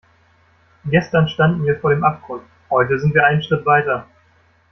Gestern standen wir vor dem Abgrund, heute sind wir einen Schritt weiter.